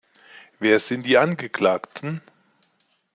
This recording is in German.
Wer sind die Angeklagten?